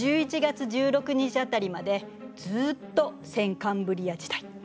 １１月１６日辺りまでずっと先カンブリア時代。